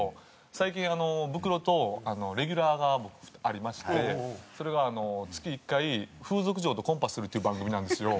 最近ブクロとレギュラーが僕ありましてそれが月１回風俗嬢とコンパするっていう番組なんですよ。